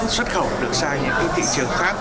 xuất khẩu được sang những thị trường khác